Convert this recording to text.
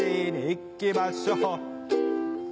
いきましょう